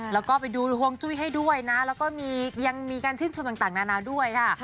แล้วก็ไปดูฮวงจุ้ยให้ด้วยนะแล้วก็ยังมีการชื่นชมต่างนานาด้วยค่ะ